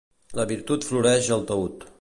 La virtut floreix al taüt.